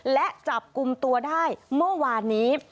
และจับกลุ่มตัวได้เมื่อวานนี้